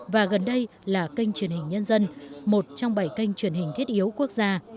và gần đây là kênh truyền hình nhân dân một trong bảy kênh truyền hình thiết yếu quốc gia